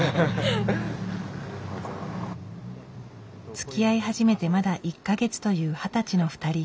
つきあい始めてまだ１か月という二十歳の２人。